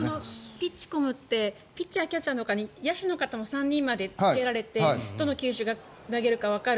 ピッチコムってピッチャーキャッチャーのほかに野手の方も３人まで着けられてどの球種を投げるかわかる。